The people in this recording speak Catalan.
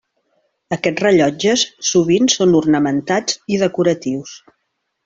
Aquests rellotges sovint són ornamentats i decoratius.